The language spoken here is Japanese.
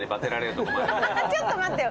ちょっと待ってよ。